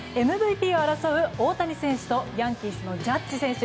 ＭＶＰを争う、大谷選手とヤンキースのジャッジ選手。